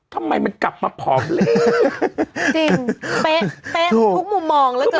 ทำไมมันกลับมาผอมเลยจริงเป๊ะเป๊ะทุกมุมมองแล้วเจอ